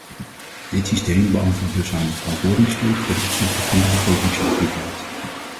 Dit systeem beantwoordt dus aan de verantwoordingsplicht ten opzichte van de begrotingsautoriteit.